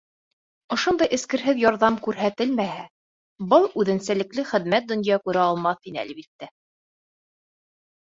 Ошондай эскерһеҙ ярҙам күрһәтелмәһә, был үҙенсәлекле хеҙмәт донъя күрә алмаҫ ине, әлбиттә.